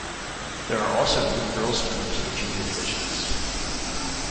There are also youth girls teams in the junior divsions.